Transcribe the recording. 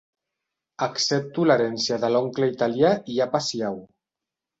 Accepto l'herència de l'oncle italià i apa siau.